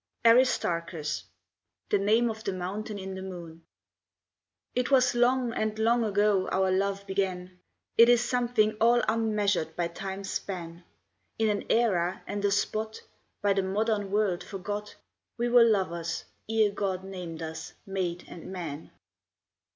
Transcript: ARISTARCHUS (THE NAME OF THE MOUNTAIN IN THE MOON) It was long and long ago our love began; It is something all unmeasured by time's span: In an era and a spot, by the Modern World forgot, We were lovers, ere God named us, Maid and Man.